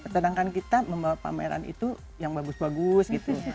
sedangkan kita membawa pameran itu yang bagus bagus gitu